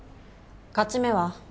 勝ち目は？